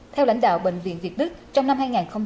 theo lãnh đạo bệnh viện việt đức trong năm hai nghìn một mươi năm